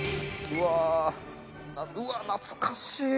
うわっ懐かしい！